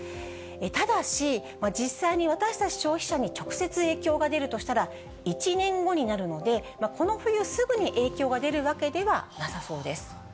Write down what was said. ただし、実際に私たち消費者に直接影響が出るとしたら、１年後になるので、この冬すぐに影響が出るわけではなさそうです。